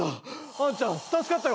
あんちゃん助かったよ。